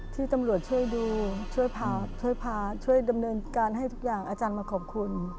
ที่ตำรวจช่วยดูช่วยพาช่วยพาช่วยดำเนินการให้ทุกอย่างอาจารย์มาขอบคุณ